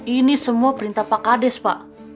ini semua perintah pak kades pak